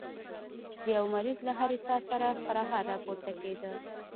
د يوه مريض له هرې ساه سره خرهار راپورته کېده.